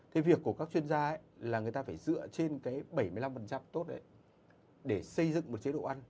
cái việc của các chuyên gia là người ta phải dựa trên cái bảy mươi năm tốt đấy để xây dựng một chế độ ăn